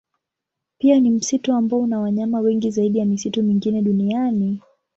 Pia ni msitu ambao una wanyama wengi zaidi ya misitu mingine duniani.